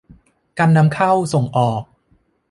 การนำเข้าส่งออก